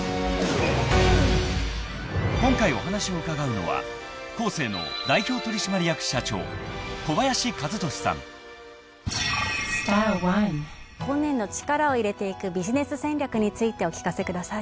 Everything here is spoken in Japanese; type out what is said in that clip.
［今回お話を伺うのは］今年度力を入れていくビジネス戦略についてお聞かせください。